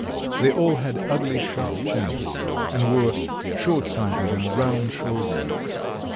They all had ugly sharp chins, and were short sighted and round shouldered.